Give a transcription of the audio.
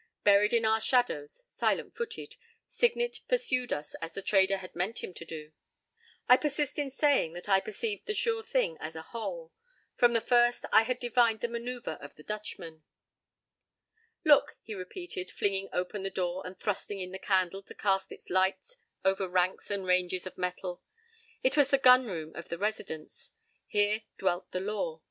Buried in our shadows, silent footed, Signet pursued us as the trader had meant him to do. I persist in saying that I perceived the thing as a whole. From the first I had divined the maneuver of the Dutchman."Look!" he repeated, flinging open a door and thrusting in the candle to cast its light over ranks and ranges of metal. It was the gun room of the Residence. Here dwelt the law.